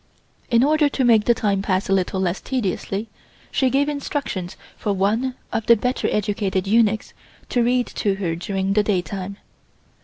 In order to make the time pass a little less tediously, she gave instructions for one of the better educated eunuchs to read to her during the daytime.